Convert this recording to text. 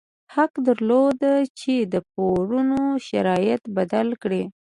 حق درلود چې د پورونو شرایط بدل کړي.